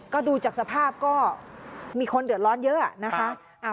ก็ดูจากสภาพก็มีคนเดือดร้อนเยอะนะคะ